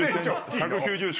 「１９０も」